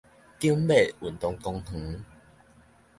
景尾運動公園